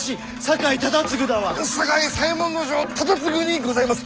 酒井左衛門尉忠次にございます。